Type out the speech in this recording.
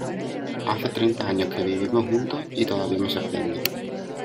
Hace treinta años que vivimos juntos y todavía me sorprende.